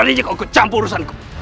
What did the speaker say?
beraninya kau ikut campur urusan ku